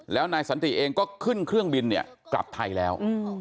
แล้วนายสันติเองก็ขึ้นเครื่องบินเนี่ยกลับไทยแล้ว